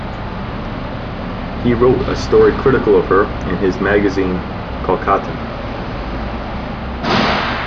He wrote a story critical of her in his magazine Kolkata.